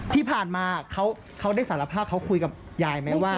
ที่ผ่านมาเขาได้สารภาพเขาคุยกับยายไหมว่า